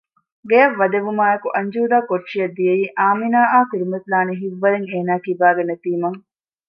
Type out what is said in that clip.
ގެއަށް ވަދެވުމާއެކު އަންޖޫދާ ކޮޓަރިއަށް ދިއައީ އާމިނާއާ ކުރިމަތިލާނެ ހިތްވަރެއް އޭނާގެ ކިބައިގައި ނެތީމަ